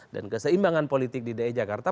dan keseimbangan politik di dki jakarta